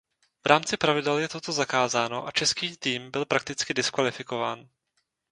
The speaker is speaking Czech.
V rámci pravidel je toto zakázáno a český tým byl prakticky diskvalifikován.